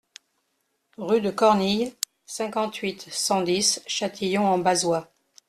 Rue de Cornille, cinquante-huit, cent dix Châtillon-en-Bazois